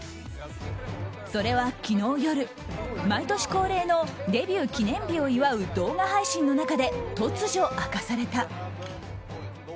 それは昨日夜毎年恒例のデビュー記念日を祝う動画配信の中で突如、明かされた。